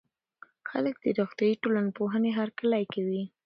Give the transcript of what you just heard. خلګ د روغتيائي ټولنپوهنې هرکلی کوي.